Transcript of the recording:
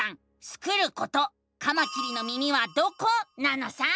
スクること「カマキリの耳はどこ？」なのさ！